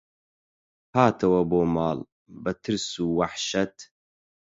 هاتەوە بۆ ماڵ بە ترس و وەحشەت